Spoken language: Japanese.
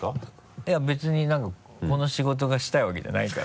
いや別に何かこの仕事がしたいわけじゃないから。